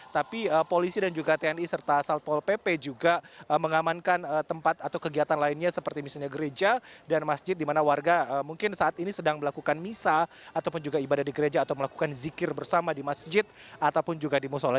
tapi polisi dan juga tni serta satpol pp juga mengamankan tempat atau kegiatan lainnya seperti misalnya gereja dan masjid di mana warga mungkin saat ini sedang melakukan misa ataupun juga ibadah di gereja atau melakukan zikir bersama di masjid ataupun juga di musola